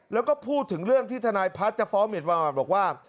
แล้วก็พูดถึงเรื่องที่ทนายพัฒน์จะฟ้องหมินประมาทบอกว่า